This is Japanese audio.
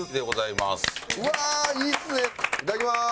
いただきます。